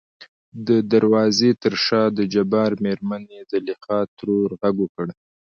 د دروازې تر شا دجبار مېرمنې زليخا ترور غږ وکړ .